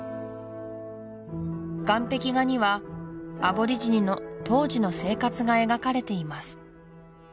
岩壁画にはアボリジニの当時の生活が描かれています